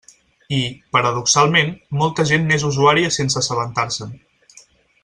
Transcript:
I, paradoxalment, molta gent n'és usuària sense assabentar-se'n.